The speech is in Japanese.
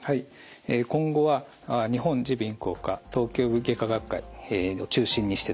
今後は日本耳鼻咽喉科頭頸部外科学会を中心にしてですね